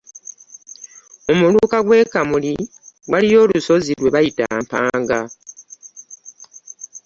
Mu muluka gwe kamuIi waliyo olusozi lwe bayita mpanga.